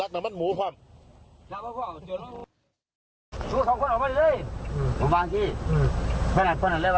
ในวัด๑๒๐๐อา